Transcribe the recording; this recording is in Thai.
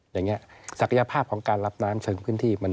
อย่างนี้ศักยภาพของการรับน้ำเสริมพื้นที่